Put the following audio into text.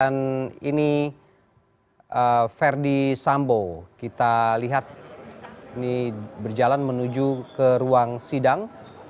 dan ini verdi sambo kita lihat ini berjalan menuju ke ruang sidang